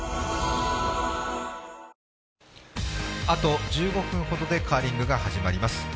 あと１５分でカーリングが始まります。